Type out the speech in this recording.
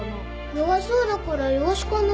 弱そうだからイワシかな？